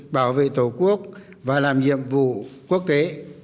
bảo vệ tổ quốc và làm nhiệm vụ quốc tế